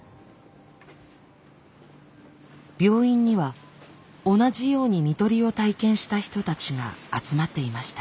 病院には同じように看取りを体験した人たちが集まっていました。